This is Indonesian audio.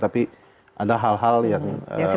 tapi ada hal hal yang sifat